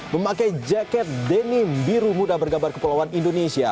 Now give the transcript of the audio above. memakai jaket denim biru muda bergambar kepulauan indonesia